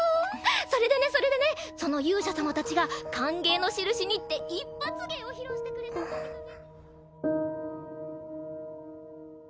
それでねそれでねその勇者様たちが歓迎のしるしにって一発芸を披露してくれたんだけどね。